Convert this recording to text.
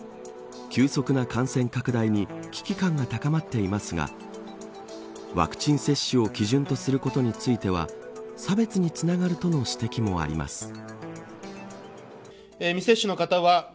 急速な感染拡大に危機感が高まっていますがワクチン接種を基準とすることについては差別につながるとの指摘もあります。